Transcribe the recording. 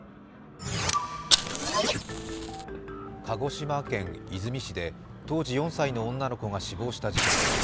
鹿児島県出水市で当時４歳の女の子が死亡した事件。